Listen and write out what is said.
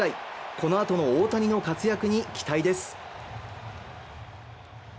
このあとの大谷の活躍に期待です